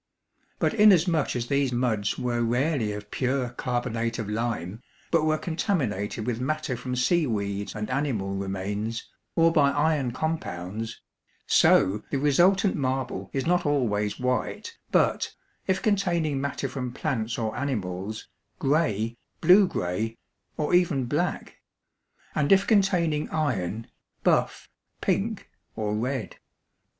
But inasmuch as these muds were rarely of pure carbonate of lime, but were contaminated with matter from seaweeds and animal remains, or by iron compounds, so the resultant marble is not always white, but, if containing matter from plants or animals, gray, blue gray, or even black; and if containing iron, buff, pink, or red.